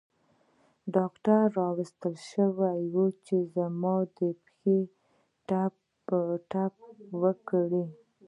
ډاکټر راوستل شوی وو چې زما د پښو پټۍ وکړي.